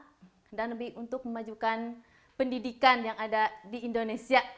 mungkin saya bisa lebih berpikir untuk memajukan pendidikan yang ada di indonesia